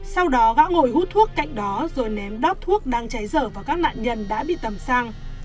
sau đó gã ngồi hút thuốc cạnh đó rồi ném đát thuốc đang cháy dở vào các nạn nhân đã bị tầm sang